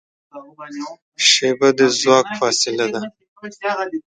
شیبه د ځواک فاصله ده.